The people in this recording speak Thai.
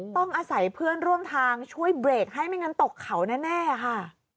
ต้องอาศัยเพื่อนร่วมทางช่วยเบรกให้ไม่งั้นตกเขาแน่ค่ะ